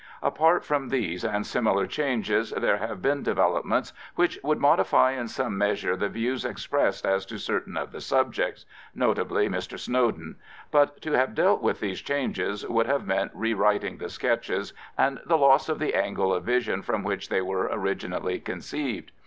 Apart from these and similar changes, there have been developments which would modify in some measure the views expressed as to certain of the subjects. But to have dealt with these changes would have meant re writing the sketches and the loss of the angle of vision from which they were originally conceived.